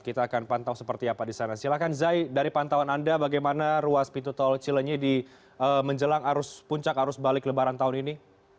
kita akan pantau seperti apa di sana silahkan zay dari pantauan anda bagaimana ruas pintu tol cilenyi di menjelang puncak arus balik lebaran tahun ini